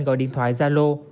gọi điện thoại gia lô